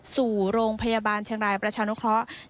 ส่งโรงพยาบาลเชียงรายประชานุเคราะห์